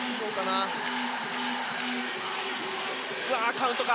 カウントか。